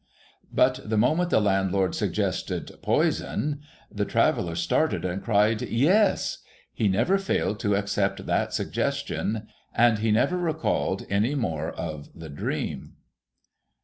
But the moment the landlord suggested ' Poison,' the traveller started, and cried, ' Yes !' He never failed to accept that suggestion, and he never recalled any more of the dream.